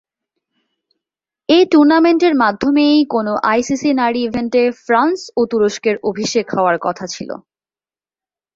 এ টুর্নামেন্টের মাধ্যমেই কোনও আইসিসি নারী ইভেন্টে ফ্রান্স ও তুরস্কের অভিষেক হওয়ার কথা ছিল।